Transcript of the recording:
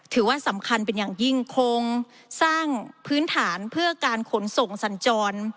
ถือว่าสำคัญเป็นอย่างยิ่งโครงสร้างพื้นฐานเพื่อการขนส่งสัญจร